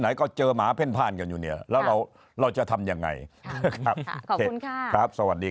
ไหนก็เจอหมาเพ่นพลานกันอยู่เนี่ยแล้วเราเราจะทำยังไงครับสวัสดี